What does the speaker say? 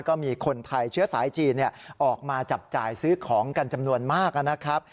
ก็มีคนไทยเชื้อสายจีนออกมาจับจ่ายซื้อของกันจำนวนมากนะครับ